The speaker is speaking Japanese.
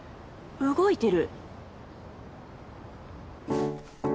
動いてる？